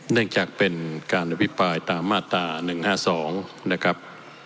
เนื่องจากเป็นการอภิปรายตามมาตรา๑๕๒นะครับ